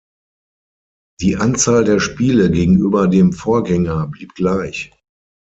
Die Anzahl der Spiele gegenüber dem Vorgänger blieb gleich.